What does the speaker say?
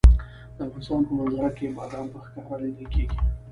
د افغانستان په منظره کې بادام په ښکاره لیدل کېږي.